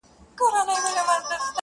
زموږ وطن كي اور بل دی.